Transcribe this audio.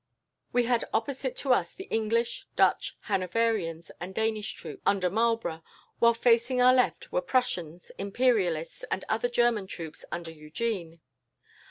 We had opposite to us the English, Dutch, Hanoverians, and Danish troops under Marlborough, while facing our left were Prussians, Imperialists, and other German troops under Eugene.